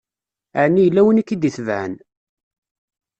Ɛni yella win k-id-itebɛen